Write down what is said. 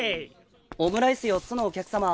オムライス４つのお客様。